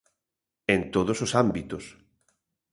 En todos os ámbitos.